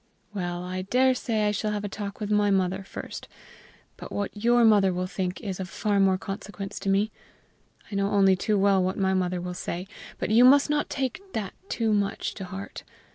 "Well, I dare say I shall have a talk with my mother first, but what your mother will think is of far more consequence to me. I know only too well what my mother will say; but you must not take that too much to heart.